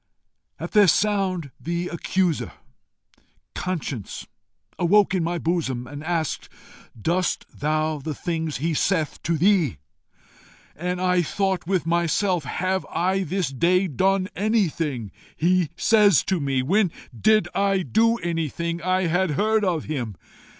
At their sound the accuser, Conscience, awoke in my bosom, and asked, 'Doest thou the things he saith to thee?' And I thought with myself, 'Have I this day done anything he says to me? when did I do anything I had heard of him?